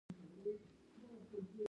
د پټې یا سري رایې حق باید خوندي شي.